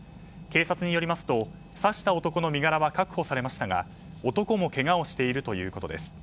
警察によりますと刺した男の身柄は確保されましたが男もけがをしているということです。